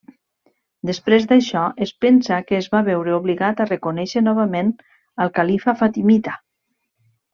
Després d'això es pensa que es va veure obligat a reconèixer novament al califa fatimita.